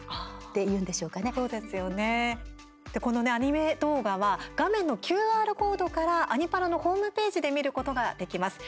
このアニメ動画は画面のＱＲコードから「アニ×パラ」のホームページで見ることができます。